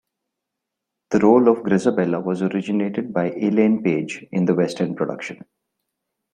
The role of Grizabella was originated by Elaine Paige in the West End production.